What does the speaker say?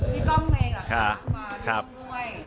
พี่กล้องแมกเหรอคะมาด้วย